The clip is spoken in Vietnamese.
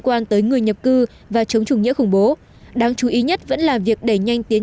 quan tới người nhập cư và chống chủ nghĩa khủng bố đáng chú ý nhất vẫn là việc đẩy nhanh tiến